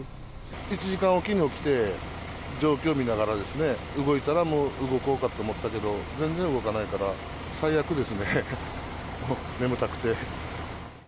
１時間置きに起きて、状況見ながらですね、動いたらもう動こうかと思ったけど、全然動かないから、最悪ですね、眠たくて。